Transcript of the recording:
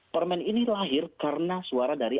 permen ini lahir karena suara dari